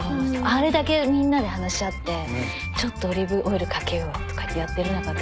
あれだけみんなで話し合ってちょっとオリーブオイルかけようとか言ってやってる中私